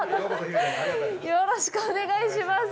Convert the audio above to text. よろしくお願いします。